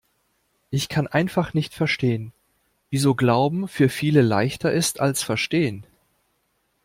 Ich kann einfach nicht verstehen, wieso Glauben für viele leichter ist als Verstehen.